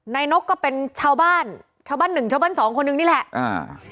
นกก็เป็นชาวบ้านชาวบ้านหนึ่งชาวบ้านสองคนนึงนี่แหละอ่า